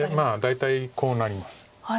大体こうなります。